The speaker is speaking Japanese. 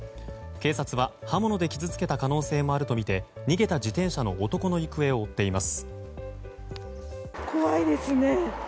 警察は刃物で傷つけた可能性もあるとみて逃げた自転車の男の行方を追っています。